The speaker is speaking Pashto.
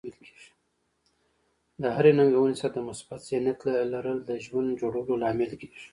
د هرې ننګونې سره د مثبت ذهنیت لرل د ژوند د جوړولو لامل کیږي.